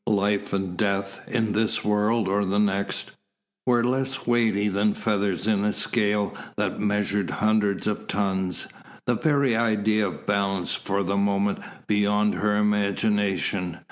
Life and death, in this world or the next, were less weighty than feathers in a scale that measures hundreds of tons. The very idea of balance was for the moment beyond her imagination.